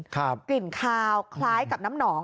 กลิ่นคาวคล้ายกับน้ำหนอง